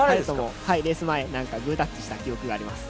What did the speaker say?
レース前、グータッチした記憶があります。